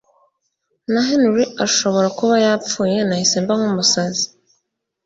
na Henry ashobora kuba yapfuye nahise mba nk umusazi